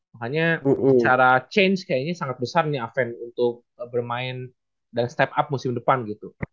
makanya cara change kayaknya sangat besar nih aven untuk bermain dan step up musim depan gitu